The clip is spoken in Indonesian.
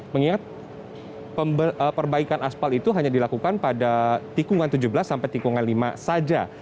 mengingat perbaikan aspal itu hanya dilakukan pada tikungan tujuh belas sampai tikungan lima saja